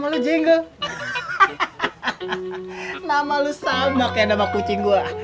bagus jika sama tapi tidak nikmati km tu